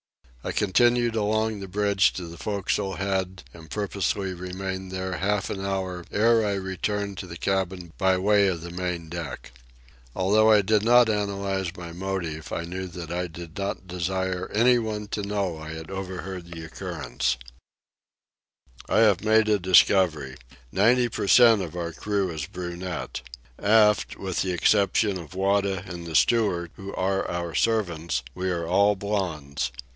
I continued along the bridge to the forecastle head and purposely remained there half an hour ere I returned to the cabin by way of the main deck. Although I did not analyze my motive, I knew I did not desire any one to know that I had overheard the occurrence. I have made a discovery. Ninety per cent. of our crew is brunette. Aft, with the exception of Wada and the steward, who are our servants, we are all blonds.